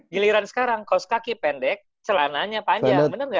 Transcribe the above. giliran sekarang kaos kaki pendek celananya panjang bener gak